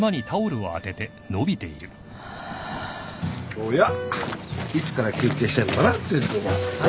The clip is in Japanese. おやいつから休憩してんのかな誠治君は。